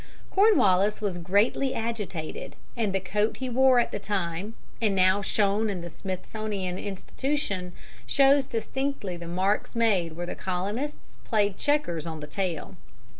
Cornwallis was greatly agitated, and the coat he wore at the time, and now shown in the Smithsonian Institution, shows distinctly the marks made where the Colonists played checkers on the tail.